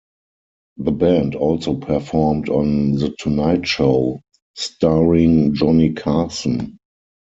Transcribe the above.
The band also performed on The Tonight Show Starring Johnny Carson.